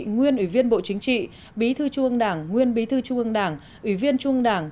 nguyên ủy viên bộ chính trị bí thư trung ương đảng nguyên bí thư trung ương đảng ủy viên trung đảng